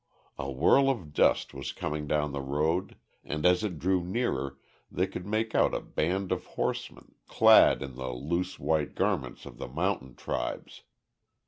A whirl of dust was coming down the road, and as it drew nearer, they could make out a band of horsemen, clad in the loose white garments of the mountain tribes.